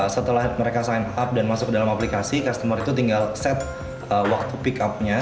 setelah mereka sign up dan masuk ke dalam aplikasi customer itu tinggal set waktu pick up nya